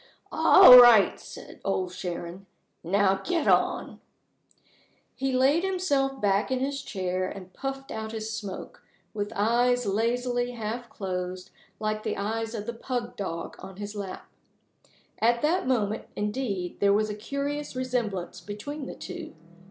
"All right," said Old Sharon. "Now, get on." He laid himself back in his chair, and puffed out his smoke, with eyes lazily half closed, like the eyes of the pug dog on his lap. At that moment, indeed there was a curious resemblance between the two.